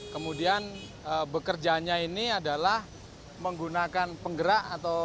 kemudian bekerjanya ini adalah menggunakan penggerak atau